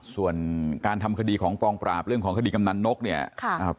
ส่วนการทำคดีของกองปราบเรื่องของคดีกำนันนกเนี่ย